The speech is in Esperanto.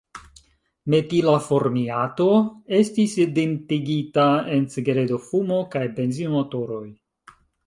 Metila formiato estis identigita en cigaredo-fumo kaj benzino-motoroj.